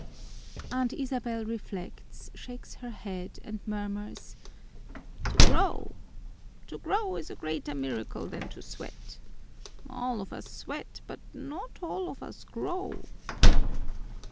Aunt Isabel reflects, shakes her head, and murmurs, "To grow, to grow is a greater miracle than to sweat. All of us sweat, but not all of us grow."